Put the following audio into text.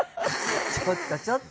ちょっとちょっと！